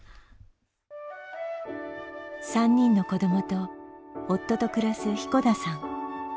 ３人の子どもと夫と暮らす彦田さん。